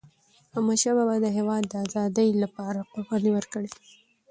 احمدشاه بابا د هیواد د آزادی لپاره قربانۍ ورکړي.